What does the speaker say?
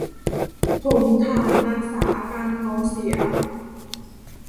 ผงถ่าน รักษาอาการท้องเสีย